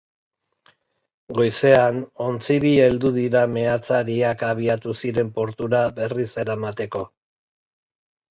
Goizean, ontzi bi heldu dira meatzariak abiatu ziren portura berriz eramateko.